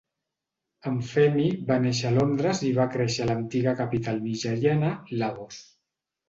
En Femi va néixer a Londres i va créixer a l'antiga capital nigeriana, Lagos.